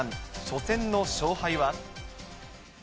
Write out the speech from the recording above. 初戦の勝敗は。